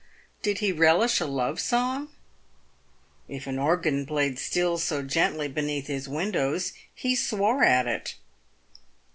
Did he relish a love song ? If an organ played " Still so gently" beneath his windows, he swore at it.